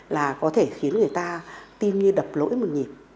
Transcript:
là có thể khiến người ta tim như đập lỗi một nhịp